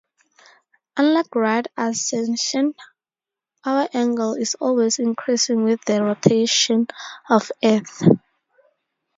Unlike right ascension, hour angle is always increasing with the rotation of Earth.